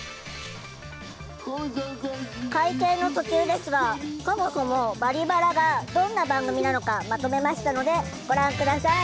会見の途中ですがそもそも「バリバラ」がどんな番組なのかまとめましたのでご覧下さい。